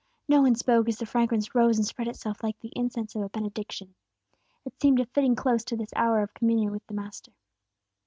No one spoke as the fragrance rose and spread itself like the incense of a benediction. It seemed a fitting close to this hour of communion with the Master.